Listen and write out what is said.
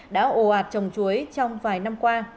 đã ồ ạt trồng chuối trong vài năm qua